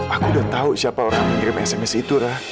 aku udah tau siapa orang yang ngirim sms itu ra